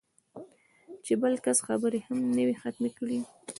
چې بل کس خبرې هم نه وي ختمې کړې